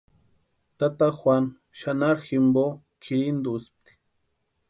Tata Juanu xanharu jimpo kʼirhintuspti.